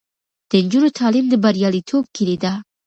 د نجونو تعلیم د بریالیتوب کیلي ده.